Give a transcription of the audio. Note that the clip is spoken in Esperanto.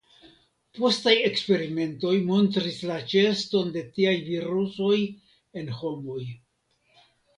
Postaj eksperimentoj montris la ĉeeston de tiaj virusoj en homoj.